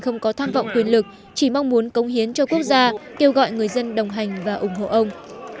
không có tham vọng quyền lực chỉ mong muốn công hiến cho quốc gia kêu gọi người dân đồng hành và ủng hộ ông